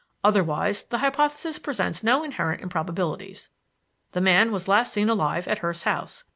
Otherwise the hypothesis presents no inherent improbabilities. The man was last seen alive at Hurst's house.